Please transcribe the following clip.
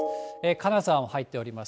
金沢も入っております。